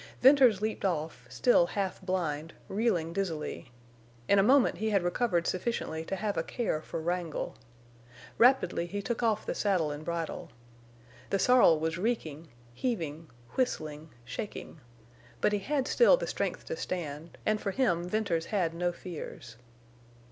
Venters leaped off, still half blind, reeling dizzily. In a moment he had recovered sufficiently to have a care for Wrangle. Rapidly he took off the saddle and bridle. The sorrel was reeking, heaving, whistling, shaking. But he had still the strength to stand, and for him Venters had no fears.